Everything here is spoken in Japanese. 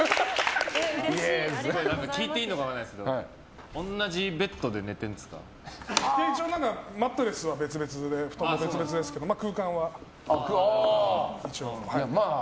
聞いていいのか分からないですけど一応マットレスは別々で布団も別々ですけど空間は一応。